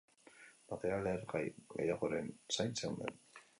Material lehergai gehiagoren zain zeuden.